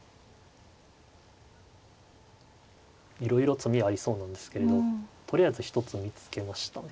いろいろ詰みありそうなんですけれどとりあえず一つ見つけましたね。